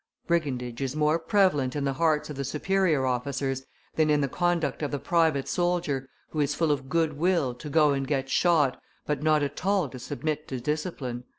"Brigandage is more prevalent in the hearts of the superior officers than in the conduct of the private soldier, who is full of good will to go and get shot, but not at all to submit to discipline.